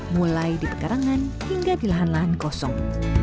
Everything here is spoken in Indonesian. mulai di pekarangan hingga di lahan lahan kosong